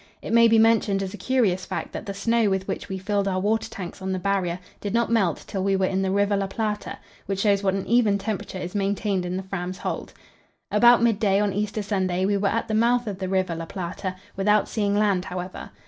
It may be mentioned as a curious fact that the snow with which we filled our water tanks on the Barrier did not melt till we were in the River La Plata, which shows what an even temperature is maintained in the Fram's hold. About midday on Easter Sunday we were at the mouth of the River La Plata, without seeing land, however.